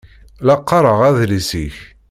La qqaṛeɣ adlis-ik.